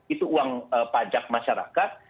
itu uang pajak masyarakat